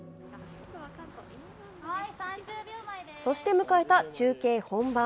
そして迎えた中継本番。